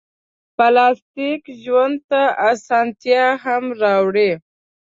پلاستيک ژوند ته اسانتیا هم راوړي.